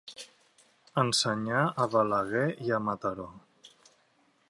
Ensenyà a Balaguer i a Mataró.